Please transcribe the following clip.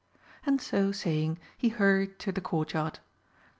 And, so saying, he hurried to the Courtyard.